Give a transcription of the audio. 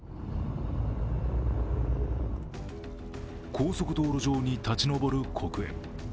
高速道路上に立ち上る黒煙。